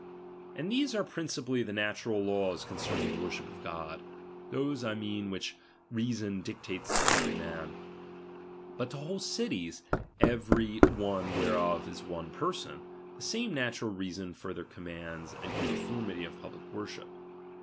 And these are principally the natural laws con RELIGION. 219 cerning the worship of God; those, I mean, which chap. reasou dictates to every man. But to whole cities, '~ every one whereof is one person, the same natural reason further commands an uniformity of public worship.